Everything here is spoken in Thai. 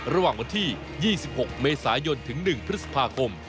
ระหว่างวันที่๒๖เมษายนถึง๑พฤษภาคม